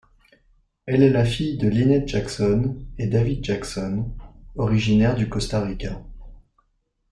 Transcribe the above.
Elle est la fille de Lynette Jackson et David Jackson, originaire du Costa Rica.